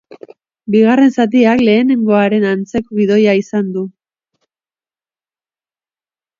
Bigarren zatiak lehenengoaren antzeko gidoia izan du.